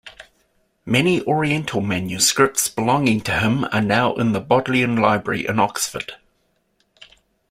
Many oriental manuscripts belonging to him are now in the Bodleian Library in Oxford.